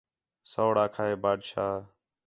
سوڑ آکھا ہِے بادشاہ